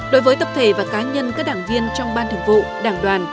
đối với tập thể và cá nhân các đảng viên trong ban thường vụ đảng đoàn